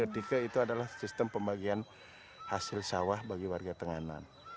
tiga itu adalah sistem pembagian hasil sawah bagi warga tenganan